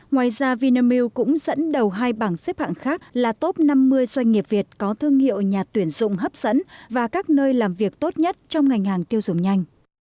ngoài ra vinamilk cũng dẫn đầu hai bảng xếp hạng khác là top năm mươi doanh nghiệp việt có thương hiệu nhà tuyển dụng hấp dẫn và các nơi làm việc tốt nhất trong ngành hàng tiêu dùng nhanh